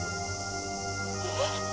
えっ！？